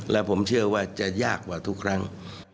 และผมเชื่อว่าจะยากกว่าทุกครั้ง